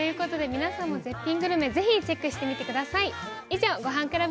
皆さんも絶品グルメぜひチェックしてみてください。